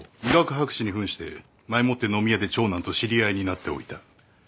医学博士に扮して前もって飲み屋で長男と知り合いになっておいた。